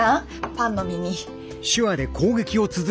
パンの耳。